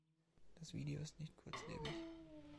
Das Video ist nicht kurzlebig.